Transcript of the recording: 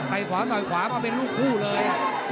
ขวาต่อยขวามาเป็นลูกคู่เลย